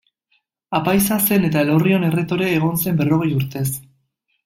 Apaiza zen eta Elorrion erretore egon zen berrogei urtez.